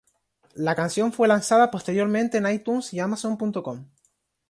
La canción fue lanzada posteriormente en iTunes y Amazon.com.